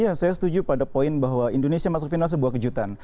ya saya setuju pada poin bahwa indonesia masuk final sebuah kejutan